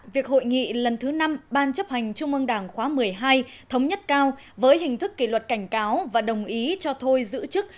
việc hội nghị lần thứ năm ban chấp hành trung ương đảng khóa một mươi hai thống nhất cao với hình thức kỷ luật cảnh cáo và đồng ý cho thôi giữ chức